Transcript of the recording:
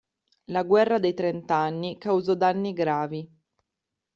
La guerra dei trent'anni causò danni gravi.